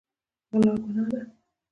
غلا ګناه ده.